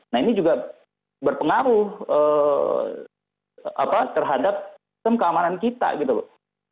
nah ini juga berpengaruh terhadap sistem keamanan kita gitu loh